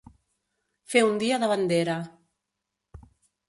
Fer un dia de bandera.